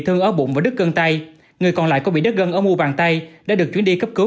thương ở bụng và đứt cân tay người còn lại có bị đất gân ở mu bàn tay đã được chuyển đi cấp cứu